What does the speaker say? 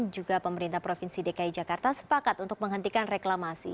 juga pemerintah provinsi dki jakarta sepakat untuk menghentikan reklamasi